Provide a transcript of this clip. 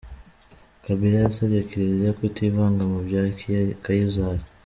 Kabila yasabye Kiliziya kutivanga mu bya Kayizari.